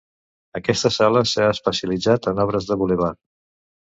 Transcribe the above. Aquesta sala s'ha especialitzat en obres de bulevard.